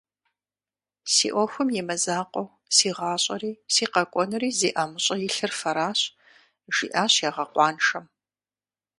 Си ӏуэхум имызакъуэу, си гъащӏэри, си къэкӏуэнури зи ӏэмыщӏэ илъыр фэращ, - жиӏащ ягъэкъуаншэм.